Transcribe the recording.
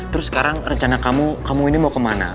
terus sekarang rencana kamu kamu ini mau ke mana